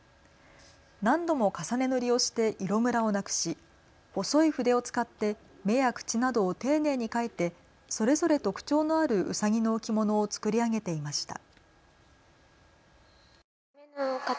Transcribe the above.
何度も重ね塗りをして色むらをなくし、細い筆を使って目や口などを丁寧に描いてそれぞれ特徴のあるうさぎの置物を作り上げていました。